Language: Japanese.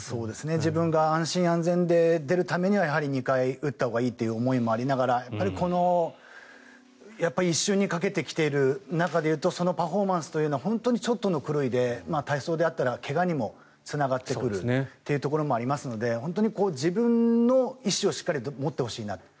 自分が安心安全で出るためには２回打ったほうがいいという思いもありながらやっぱりこの一瞬にかけてきている中で言うとそのパフォーマンスというのは本当にちょっとの狂いで体操であったら怪我につながってくるというところもありますので本当に自分の意思をしっかり持ってほしいなと。